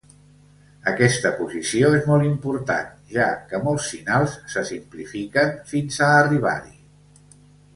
Aquesta posició és molt important, ja que molts finals se simplifiquen fins a arribar-hi.